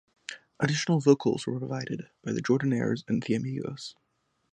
Additional vocals were provided by The Jordanaires and The Amigos.